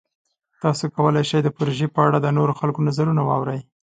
تاسو کولی شئ د پروژې په اړه د نورو خلکو نظرونه واورئ.